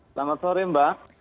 selamat sore mbak